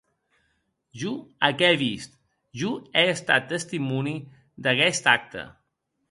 Jo ac è vist, jo è estat testimòni d’aguest acte.